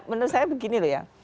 menurut saya begini loh ya